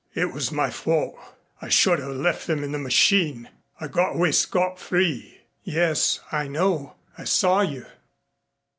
"It was my fault. I should have left them in the machine. I got away scot free." "Yes, I know. I saw you."